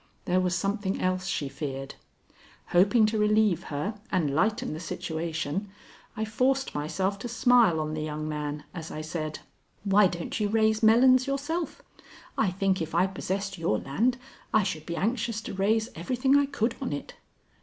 There was something else she feared. Hoping to relieve her and lighten the situation, I forced myself to smile on the young man as I said: "Why don't you raise melons yourself? I think if I possessed your land I should be anxious to raise everything I could on it."